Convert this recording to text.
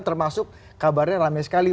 termasuk kabarnya rame sekali